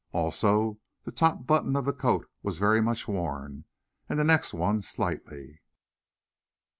Also the top button of the coat was very much worn, and the next one slightly.